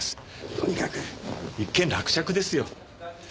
とにかく一件落着ですよ。